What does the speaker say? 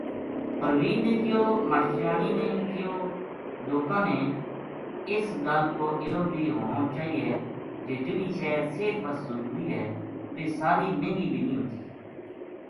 پروین نے کہیو:”ماشٹریانی نے کہیو لوکاں نا اس گل کو علم بھی ہونو چاہیے جے جہڑی شے صحت وس ضروری ہے ویہ ساری مہنگی بے نیہہ ہوتی۔۔